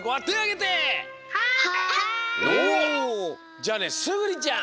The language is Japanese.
じゃあねすぐりちゃん！